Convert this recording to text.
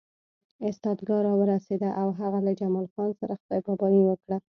ایستګاه راورسېده او هغه له جمال خان سره خدای پاماني وکړه